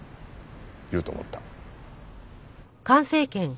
言うと思った。